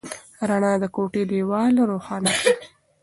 رڼا د کوټې دیوالونه روښانه کړل.